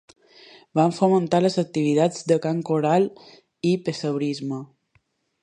Van fomentar les activitats de cant coral i pessebrisme.